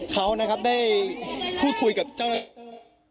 เขานะครับได้พูดคุยกับเจ้าหน้าเจ้านิษย์